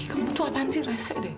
kamu tuh apaan sih resek deh